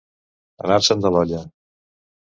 Anar-se'n de l'olla.